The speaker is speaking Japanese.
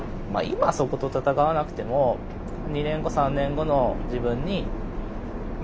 今そこと戦わなくても２年後３年後の自分に任す。